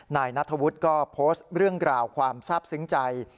นายนัทธวุฒิก็โพสต์เรื่องราวความทราบซึ้งใจ